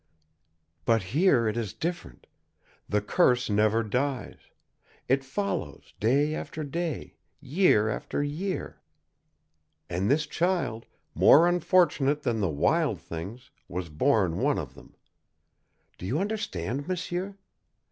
But here it is different. The curse never dies. It follows, day after day, year after year. And this child more unfortunate than the wild things, was born one of them. Do you understand, m'sieur?